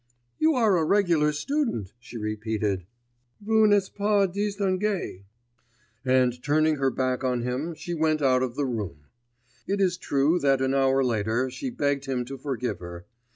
'You are a regular student,' she repeated. 'Vous n'êtes pas distingué'; and turning her back on him she went out of the room. It is true that an hour later she begged him to forgive her....